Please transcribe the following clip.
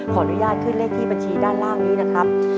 ขออนุญาตขึ้นเลขที่บัญชีด้านล่างนี้นะครับ